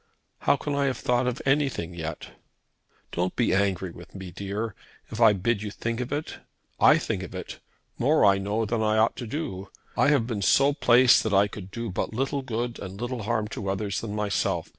"How can I have thought of anything yet?" "Don't be angry with me, dear, if I bid you think of it. I think of it, more I know than I ought to do. I have been so placed that I could do but little good and little harm to others than myself.